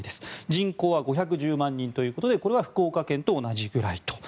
人口は５１０万人ということでこれは福岡県と同じくらいと。